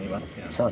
そう。